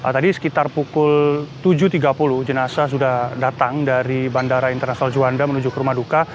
tadi sekitar pukul tujuh tiga puluh jenazah sudah datang dari bandara internasional juanda menuju ke rumah duka